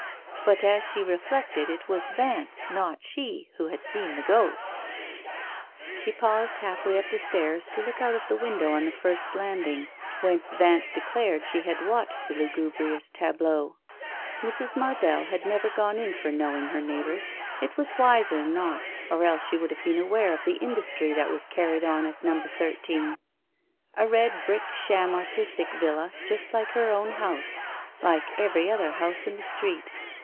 But as she reflected it was Vance, not she, who had seen the ghost 1 She paused half way up the stairs to look out of the wiridow on the first landing, whence Vance declared she had watched the lugubrious tableau. Mrs. Mardell had never gone in for knowing her neighbours, it was wiser not, or else she would have been aware of the industry that was carried on at number thirteen, a red brick sham artistic villa, just like her own house — like every other house in the street.